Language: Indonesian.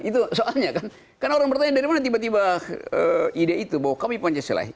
itu soalnya kan karena orang bertanya dari mana tiba tiba ide itu bahwa kami pancasila